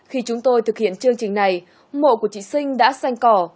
khi chúng tôi thực hiện chương trình này mộ của chị sinh đã xanh cỏ